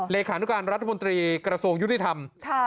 เลขานุการรัฐมนตรีกระทรวงยุติธรรม